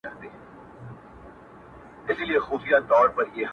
خیر دی زما کور دې خدای وران کړي ستا دې کور جوړ سي~